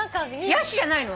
ヤシじゃないの？